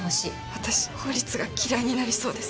私、法律が嫌いになりそうです。